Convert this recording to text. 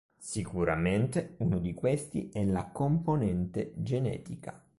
Sicuramente uno di questi è la componente genetica.